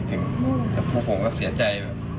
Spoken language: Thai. แต่ผมก็เศียร์ใจ